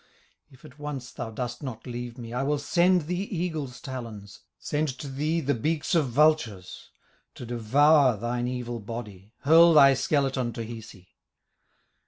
"If at once thou dost not leave me, I will send the eagle's talons, Send to thee the beaks of vultures, To devour thine evil body, Hurl thy skeleton to Hisi.